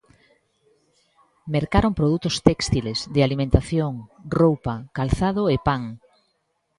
Mercaron produtos téxtiles, de alimentación, roupa, calzado e pan.